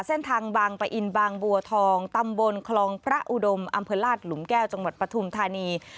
เส้นทางบางปะอินบางบัวทองตำบลคลองพระอุดมอำเภอลาดหลุมแก้วจังหวัดปฐุมธานี